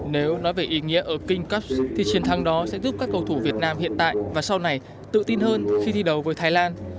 nếu nói về ý nghĩa ở king cups thì chiến thắng đó sẽ giúp các cầu thủ việt nam hiện tại và sau này tự tin hơn khi thi đấu với thái lan